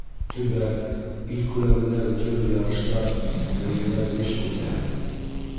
Төбәк, ил күләмендәге төрлө ярыштар, бәйгеләр йыш үтә.